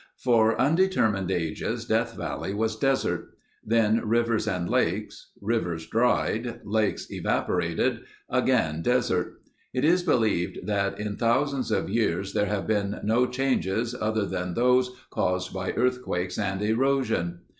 For undetermined ages Death Valley was desert. Then rivers and lakes. Rivers dried. Lakes evaporated. Again, desert. It is believed that in thousands of years there have been no changes other than those caused by earthquakes and erosion.